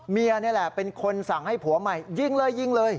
เมียนี่แหละเป็นคนสั่งให้ผัวใหม่ยิงเลยยิงเลย